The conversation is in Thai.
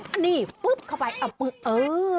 อันนี้ปุ๊บเข้าไปเอ้อ